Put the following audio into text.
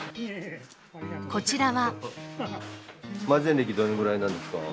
こちらは。